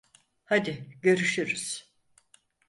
Hadi görüşürüz.